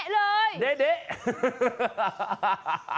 เดะเลยเดะ